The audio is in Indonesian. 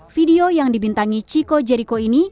video yang dibintangi chico jeriko ini